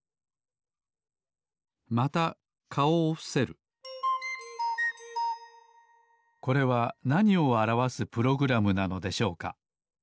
またかおをふせるこれはなにをあらわすプログラムなのでしょうか？